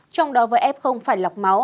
trong đó với f phải lọc máu